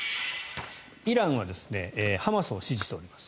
イランはハマスを支持しております。